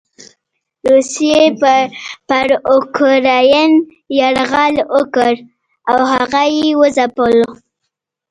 روسيې پر اوکراين يرغل وکړ او هغه یې وځپلو.